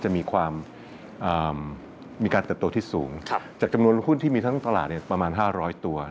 จะมีการเติบโตที่สูงจากจำนวนหุ้นที่มีทั้งตลาดประมาณ๕๐๐ตัว